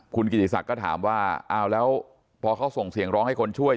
คุณกิติศักดิ์ก็ถามว่าอ้าวแล้วพอเขาส่งเสียงร้องให้คนช่วย